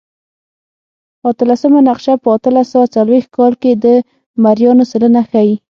اتلسمه نقشه په اتلس سوه څلوېښت کال کې د مریانو سلنه ښيي.